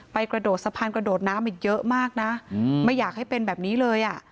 กระโดดสะพานกระโดดน้ำมาเยอะมากนะไม่อยากให้เป็นแบบนี้เลยอ่ะ